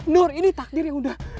nur ini takdir yang udah